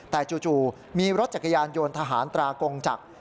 แต่จู่มีรถจักรยานยนต์ทหารตรากงจักร